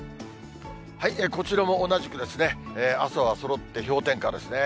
こちらも同じくですね、朝はそろって氷点下ですね。